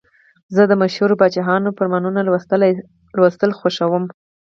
زه د مشهورو پاچاهانو فرمانونه لوستل خوښوم.